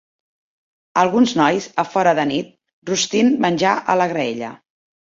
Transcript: Alguns nois a fora de nit rostint menjar a la graella.